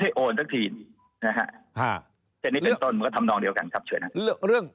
แต่นี่เป็นต้นมันก็ทำนองเดียวกันครับ